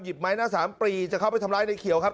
ไม้หน้าสามปรีจะเข้าไปทำร้ายในเขียวครับ